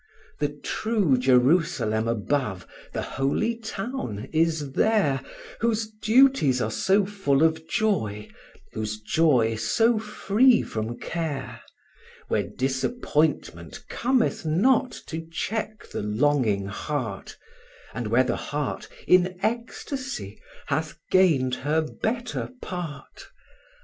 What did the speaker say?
The true Jerusalem above, the holy town, is there, Whose duties are so full of joy, whose joy so free from care; Where disappointment cometh not to check the longing heart, And where the heart, in ecstasy, hath gained her better part.